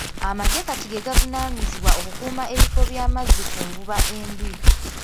Amaggye Kati ge gavunaanyizibwa okukuuma ebifo by'amazzi ku nvuba embi.